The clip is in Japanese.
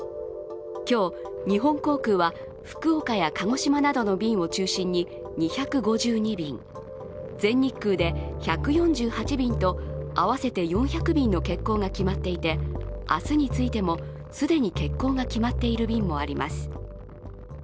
今日、日本航空は福岡や鹿児島などの便を中心に２５２便全日空で１４８便と合わせて４００便の欠航が決まっていて明日についても、既に欠航が決まっている便もあります。